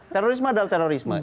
terorisme adalah terorisme